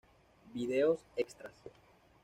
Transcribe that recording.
Videos Extras